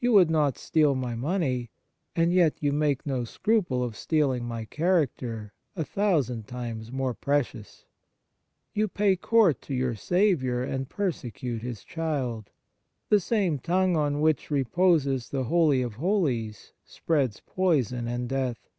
You would not steal my money, and yet you make no scruple of stealing my character, a thousand times more precious. You pay court to your Saviour and persecute His child ! The same tongue on which reposes the Holy of Holies spreads poison and death